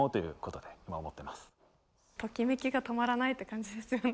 ときめきが止まらないって感じですよね。